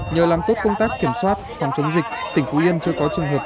nhờ làm tốt công tác kiểm soát phòng chống dịch tỉnh phú yên chưa có trường hợp